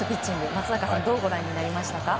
松坂さんどうご覧になりましたか？